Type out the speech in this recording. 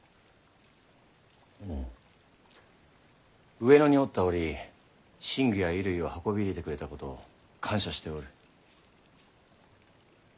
上野におった折寝具や衣類を運び入れてくれたこと感謝しておる。